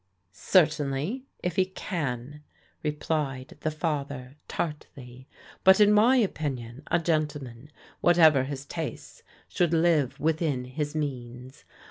" Certainly, if he can," replied the father tartly. " But in my opinion, a gentleman, whatever his tastes, should live within his means.